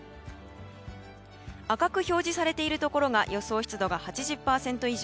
赤く表示されているところが予想湿度が８０％以上。